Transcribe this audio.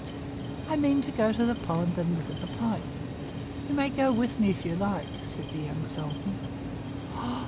"I mean to go to the pond and look at the pike. You may go with me if you like," said the young sultan.